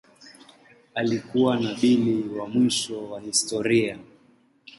Alikuwa nabii kuliko mwandishi wa historia.